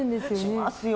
しますよ。